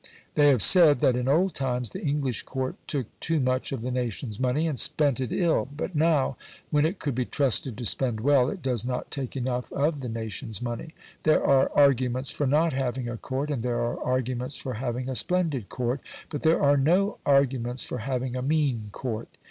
They have said, "that in old times the English Court took too much of the nation's money, and spent it ill; but now, when it could be trusted to spend well, it does not take enough of the nation's money. There are arguments for not having a Court, and there are arguments for having a splendid Court; but there are no arguments for having a mean Court.